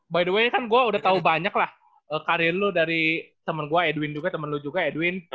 by the way kan gue udah tau banyak lah karir lo dari temen gue edwin juga temen lu juga edwin